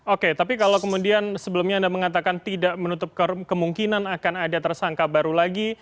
oke tapi kalau kemudian sebelumnya anda mengatakan tidak menutup kemungkinan akan ada tersangka baru lagi